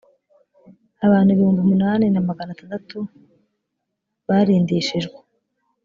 abantu ibihumbi umunani na magana atandatu barindishijwe.